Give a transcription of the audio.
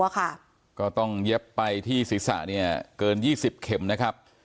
ก็ต้องเย็บไปที่ศีรษะเนี่ยเกิน๒๐เข็มนะครับ